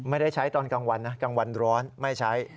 ไม่ได้ใช้ตอนกลางวันนะกลางวันร้อนไม่ใช้